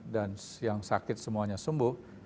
dan yang sakit semuanya sembuh